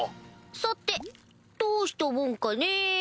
さてどうしたもんかね！